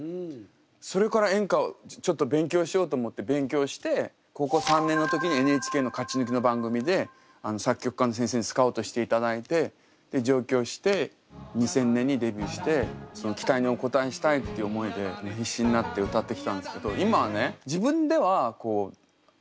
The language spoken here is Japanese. そしたら高校３年の時にＮＨＫの勝ち抜きの番組で作曲家の先生にスカウトしていただいて上京して２０００年にデビューしてその期待にお応えしたいっていう思いで必死になって歌ってきたんですけど今はね